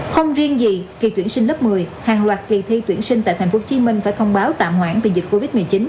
không riêng gì kỳ tuyển sinh lớp một mươi hàng loạt kỳ thi tuyển sinh tại tp hcm phải thông báo tạm hoãn vì dịch covid một mươi chín